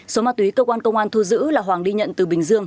số ma túy cơ quan công an thu giữ là hoàng đi nhận từ bình dương